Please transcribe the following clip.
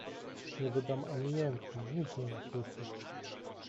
"Nie wydam ani jęku, nic nie usłyszysz!"